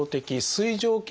水蒸気？